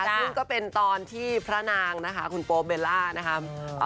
ซึ่งก็เป็นตอนที่พระนางนะคะคุณโป๊เบลล่านะคะ